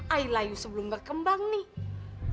ai layu sebelum berkembang nih